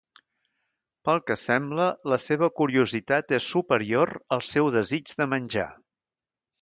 Pel que sembla, la seva curiositat és superior al seu desig de menjar.